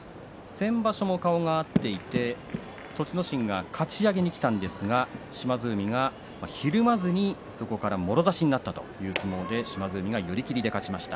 先場所も顔が合っていて栃ノ心がかち上げにきたんですが島津海が、ひるまずにそこから、もろ差しになったという相撲で島津海が寄り切りで勝ちました。